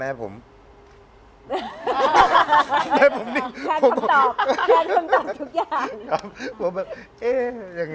แค่คำตอบทุกอย่าง